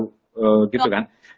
ada ada development baru